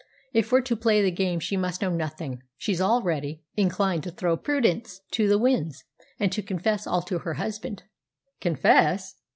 If we're to play the game she must know nothing. She's already inclined to throw prudence to the winds, and to confess all to her husband." "Confess!"